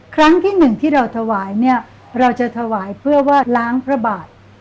ครั้งที่หนึ่งที่เราถวายเนี่ยเราจะถวายเพื่อวาดล้างพระบาท